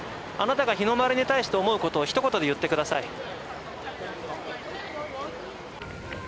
あなたが日の丸に対して思うことをひと言で言ってください